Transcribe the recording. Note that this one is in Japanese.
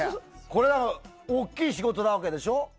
これは大きい仕事なわけでしょ。